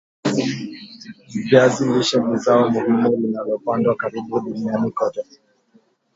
Viazi lishe ni zao muhimu linalopandwa karibu duniani kote